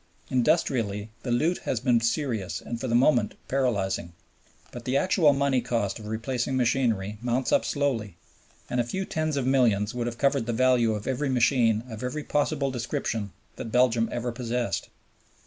Industrially, the loot has been serious and for the moment paralyzing; but the actual money cost of replacing machinery mounts up slowly, and a few tens of millions would have covered the value of every machine of every possible description that Belgium ever possessed.